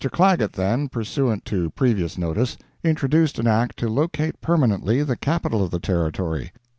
Clagett then, pursuant to previous notice, introduced an Act to locate permanently the Capital of the Territory.